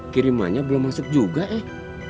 kirimannya belum masuk juga eh